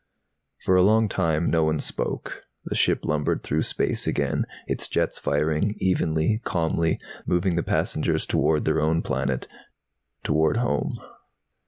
For a long time no one spoke. The ship lumbered through space again, its jets firing evenly, calmly, moving the passengers toward their own planet, toward home.